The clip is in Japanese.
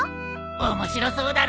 面白そうだろ！